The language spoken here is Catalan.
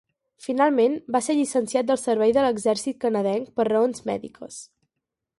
Finalment, va ser llicenciat del servei de l'exèrcit canadenc per raons mèdiques.